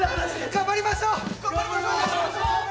頑張りましょう！